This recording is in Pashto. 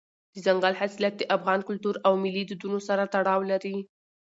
دځنګل حاصلات د افغان کلتور او ملي دودونو سره تړاو لري.